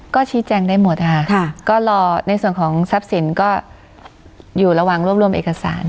ก็ชี้แจงได้หมดค่ะก็รอในส่วนของทรัพย์สินก็อยู่ระหว่างรวบรวมเอกสาร